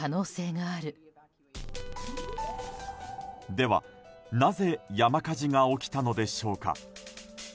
では、なぜ山火事が起きたのでしょうか。